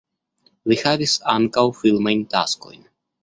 Li havis ankaŭ filmajn taskojn.